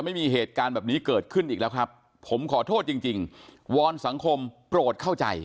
แบบนี้เกิดขึ้นอีกแล้วครับผมขอโทษจริงว้อนสังคมโปรดเข้าใจ